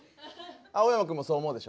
青山君もそう思うでしょ？